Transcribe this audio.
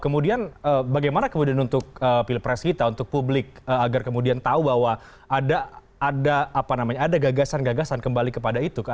kemudian bagaimana kemudian untuk pilpres kita untuk publik agar kemudian tahu bahwa ada gagasan gagasan kembali kepada itu